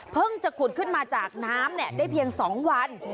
เพิ่งจะขุดขึ้นมาจากน้ำได้เพียงสองวัน